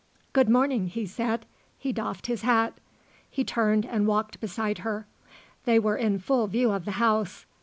"Good morning," he said. He doffed his hat. He turned and walked beside her. They were in full view of the house.